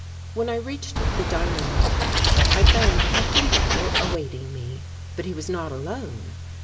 When I reached the dining hall I found Captain Grauble awaiting me. But he was not alone.